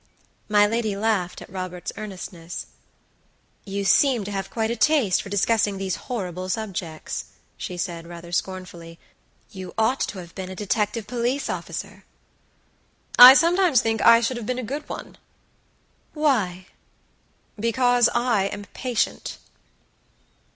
My lady laughed at Robert's earnestness. "You seem to have quite a taste for discussing these horrible subjects," she said, rather scornfully; "you ought to have been a detective police officer." "I sometimes think I should have been a good one." "Why?" "Because I am patient."